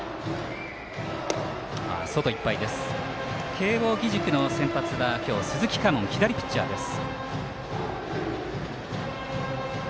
慶応義塾の先発は今日、鈴木佳門左ピッチャーです。